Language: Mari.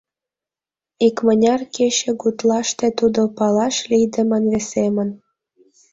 Икмыняр кече гутлаште тудо палаш лийдымын весемын.